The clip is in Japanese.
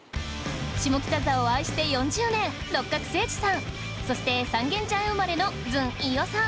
下北沢を愛して４０年そして三軒茶屋生まれのずん飯尾さん。